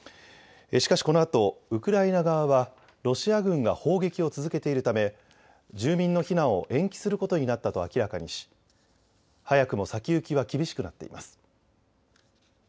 しかし、このあとウクライナ側はロシア軍が砲撃を続けているため住民の避難を延期することになったと明らかにし早くも先行きは厳しくなっています。